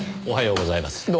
おはようございます。